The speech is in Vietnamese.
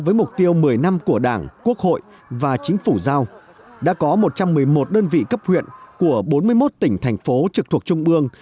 với mục tiêu một mươi năm của đảng quốc hội và chính phủ giao đã có một trăm một mươi một đơn vị cấp huyện của bốn mươi một tỉnh thành phố trực thuộc trung ương